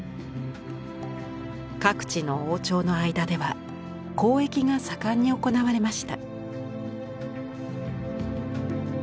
各地の王朝の間では交易が盛んに行われました。